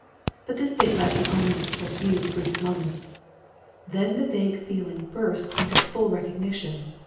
But this state lasted only for a few brief moments. Then the vague feeling burst into full recognition.